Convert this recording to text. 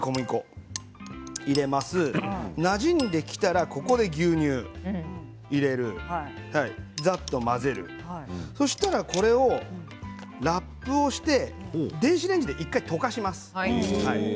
なじんできたらここで牛乳を入れる、ざっと混ぜるそうしたらこれをラップをして電子レンジで１回、溶かします。